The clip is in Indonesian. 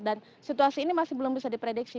dan situasi ini masih belum bisa diprediksi